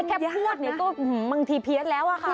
แค่พูดเนี้ยก็ทีเพียตแล้วว่่ะค่ะ